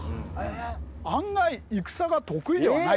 案外戦が得意ではない。え！？